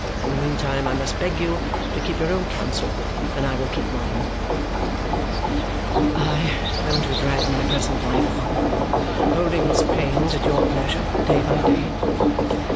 In the meanwhile I must beg you to keep your own counsel, and I will keep mine." "I am to drag my present life on, holding its pains at your pleasure, day by day?"